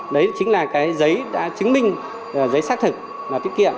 đấy chính là giấy đã chứng minh giấy xác thực là tiết kiệm